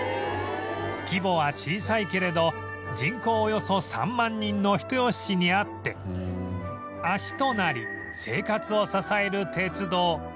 規模は小さいけれど人口およそ３万人の人吉市にあって足となり生活を支える鉄道